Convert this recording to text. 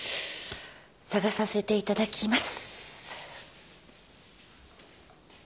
捜させていただきます。